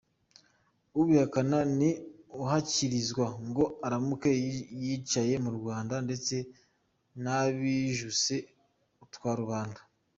Ubihakana ni uhakirizwa ngo aramuke yicaye mu Rwanda ndetse n’abijuse utwarubanda.